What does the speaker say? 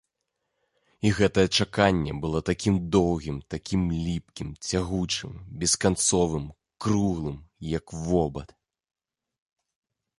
І гэтае чаканне было такім доўгім, такім ліпкім, цягучым, бесканцовым, круглым, як вобад.